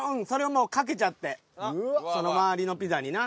その周りのピザにな。